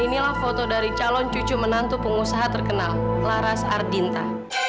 inilah foto dari calon cucu menantu pengusaha terkenal laras ardinta